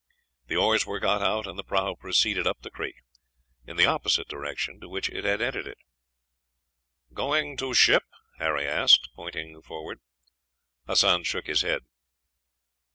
The oars were got out, and the prahu proceeded up the creek, in the opposite direction to which it had entered it. "Going to ship?" Harry asked, pointing forward. Hassan shook his head.